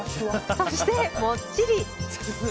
そして、もっちり。